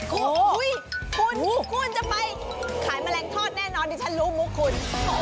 คุณคุณจะไปขายแมลงทอดแน่นอนดิฉันรู้มุกคุณ